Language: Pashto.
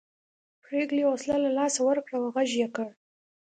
پريګلې حوصله له لاسه ورکړه او غږ یې کړ